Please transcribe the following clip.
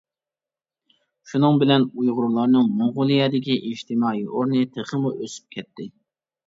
شۇنىڭ بىلەن ئۇيغۇرلارنىڭ موڭغۇلىيەدىكى ئىجتىمائىي ئورنى تېخىمۇ ئۆسۈپ كەتتى.